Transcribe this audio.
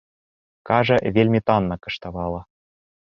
Кажа, вельмі танна каштавала.